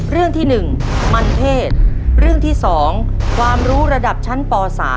เรื่องที่๑มันเทศเรื่องที่๒ความรู้ระดับชั้นป๓